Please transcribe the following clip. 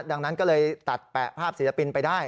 ดังนั้นก็เลยตัดแปะภาพศิลปินไปได้